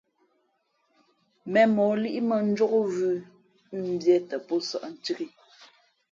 Mēmmᾱ o líʼ mbᾱ njǒkvʉ̄ mbiē tα pō sᾱʼ ncāk ǐ.